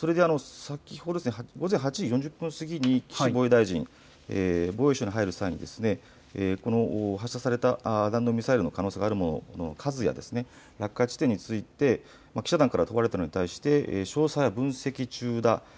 先ほど午前８時４０分過ぎに岸防衛大臣、防衛省に入る際に発射された弾道ミサイルの可能性があるものの数や落下地点について記者団から問われたのに対し、詳細は分析中だ。